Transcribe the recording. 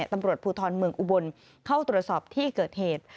ตำรวจภูทรเมืองอุบลเข้าตรวจสอบที่เกิดเหตุ